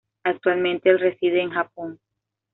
Actualmente el reside en Japón.